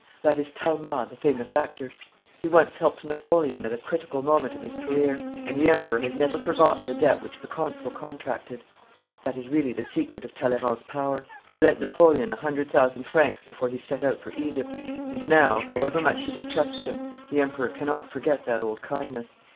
That is Talma the famous actor. He once helped Napoleon at a critical moment of his career, and the Emperor has never forgotten the debt which the Consul contracted. That is really the secret of Talleyrand's power. He lent Napoleon a hundred thousand francs before he set out for Egypt, and now, however much he distrusts him, the Emperor cannot forget that old kindness.